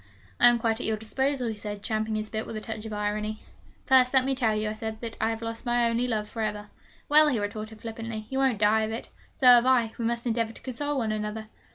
'I am quite at your disposal,' he said, champing his bit with a touch of irony. 'First, let me tell you,' I said, 'that I have lost my only love for ever.' 'Well,' he retorted flippantly, 'you won't die of it. So have I. We must endeavour to console one another!'